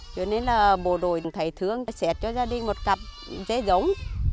cho nên là bộ đội thầy thương sẽ cho gia đình một cặp dê giống